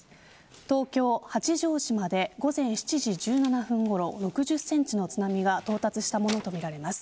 東京・八丈島で午前７時１７分ごろ６０センチの津波が到達したものとみられます。